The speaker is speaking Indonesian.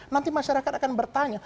nanti masyarakat akan bertanya